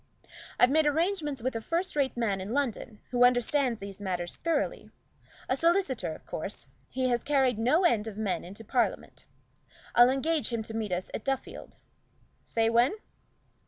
I've made arrangements with a first rate man in London, who understands these matters thoroughly a solicitor, of course he has carried no end of men into Parliament. I'll engage him to meet us at Duffield say when?"